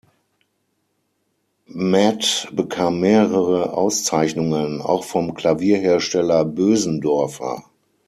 Matt bekam mehrere Auszeichnungen, auch vom Klavierhersteller Bösendorfer.